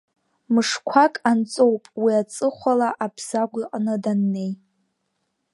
Мышқәак анҵоуп уи аҵыхәала Абзагә иҟны даннеи.